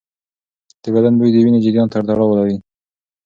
د بدن بوی د وینې جریان ته تړاو لري.